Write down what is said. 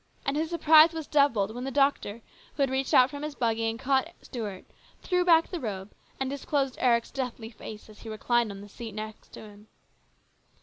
And his surprise was doubled when the doctor, who had reached out from his buggy and caught Stuart, threw back the robe and disclosed Eric's deathly face as he reclined on the seat beside him.